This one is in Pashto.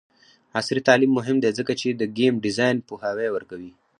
عصري تعلیم مهم دی ځکه چې د ګیم ډیزاین پوهاوی ورکوي.